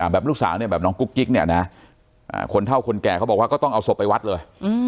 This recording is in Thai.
แบบลูกสาวเนี่ยแบบน้องกุ๊กกิ๊กเนี่ยนะคนเท่าคนแก่เขาบอกว่าก็ต้องเอาศพไปวัดเลย